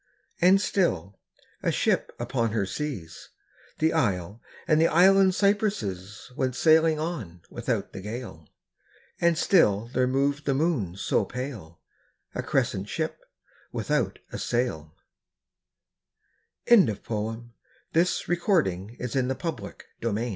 And still, a ship upon her seas. The isle and the island cypresses Went sailing on without the gale : And still there moved the moon so pale, A crescent ship without a sail ' I7S Oak and Olive \ Though I was born a Lon